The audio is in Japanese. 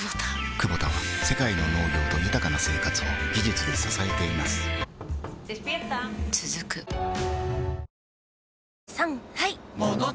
クボタは世界の農業と豊かな生活を技術で支えています起きて。